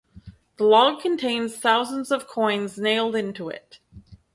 The log contains thousands of coins nailed into it.